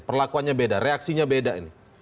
perlakuannya beda reaksinya beda ini